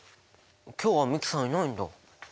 今日は美樹さんいないんだ。